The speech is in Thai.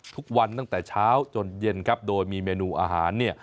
ทุกวันตั้งแต่เช้าจนเย็นครับโดยมีเมนูอาหารเนี่ย